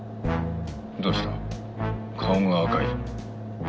どうした顔が赤い。